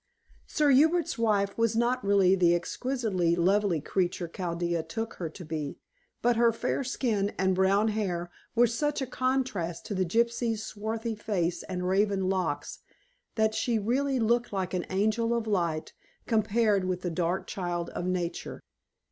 Sir Hubert's wife was not really the exquisitely lovely creature Chaldea took her to be, but her fair skin and brown hair were such a contrast to the gypsy's swarthy face and raven locks, that she really looked like an angel of light compared with the dark child of Nature.